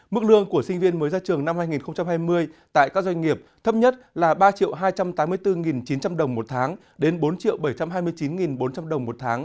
mức lương của sinh viên mới ra trường năm hai nghìn hai mươi tại các doanh nghiệp thấp nhất là ba hai trăm tám mươi bốn chín trăm linh đồng một tháng đến bốn bảy trăm hai mươi chín bốn trăm linh đồng một tháng